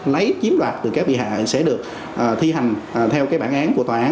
lấy chiếm đoạt từ các bị hại sẽ được thi hành theo bản án của tòa án